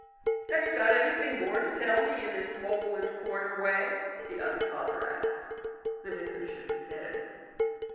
" Have you got anything more to tell me in this hole and corner way ?" the other father asked. The vicar shook his head.